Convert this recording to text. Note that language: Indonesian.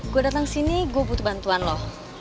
gue datang sini gue butuh bantuan loh